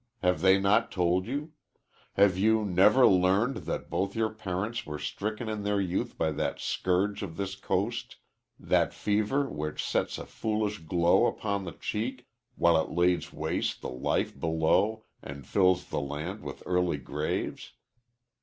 Have they not told you? Have you never learned that both your parents were stricken in their youth by that scourge of this coast that fever which sets a foolish glow upon the cheek while it lays waste the life below and fills the land with early graves?